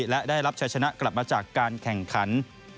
และได้รับชัยชนะกลับมาจากการแข่งขัน